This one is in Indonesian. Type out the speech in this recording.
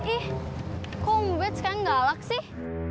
ih kok om ubed sekarang galak sih